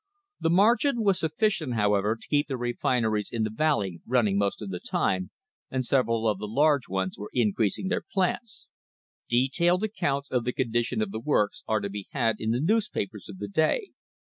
The margin was sufficient, however, to keep the refineries in the valley running most of the time, and several of the large ones were increasing their plants. Detailed accounts of the condition of the works are to be had in the newspapers of the day.